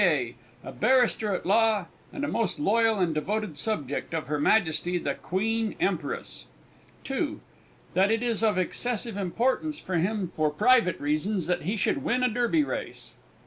A., a Barrister at law, and a most loyal and devoted subject of Her Majesty the QUEEN EMPRESS. (2.) That it is of excessive importance to him, for private reasons, that he should win a Derby Race.